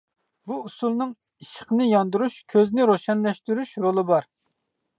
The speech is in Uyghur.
بۇ ئۇسۇلنىڭ ئىششىقنى ياندۇرۇش، كۆزنى روشەنلەشتۈرۈش رولى بار.